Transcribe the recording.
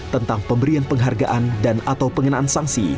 tentang pemberian penghargaan dan atau pengenaan sanksi